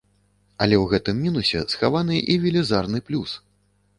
Але ў гэтым мінусе схаваны і велізарны плюс.